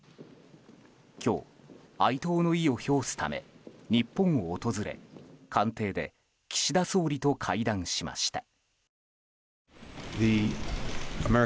今日、哀悼の意を表すため日本を訪れ官邸で岸田総理と会談しました。